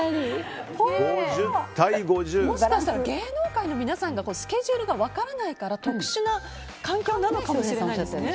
もしかしたら芸能界の皆さんがスケジュールが分からないから特殊な環境なのかもしれないですね。